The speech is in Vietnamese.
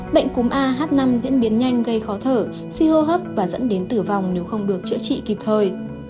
bệnh cúm ah năm diễn biến nhanh gây khó thở suy hô hấp và dẫn đến tử vong nếu không được chữa trị kịp thời